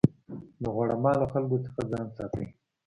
د غوړه مالو خلکو څخه ځان ساتئ.